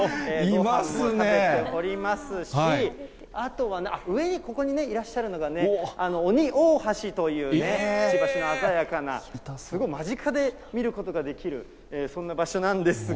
あとは上にここにいらっしゃるのが、オニオオハシというね、くちばしの鮮やかな、すごい間近で見ることができる、そんな場所なんですが。